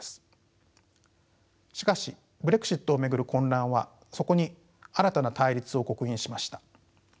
しかしブレグジットを巡る混乱はそこに新たな対立を刻印しました。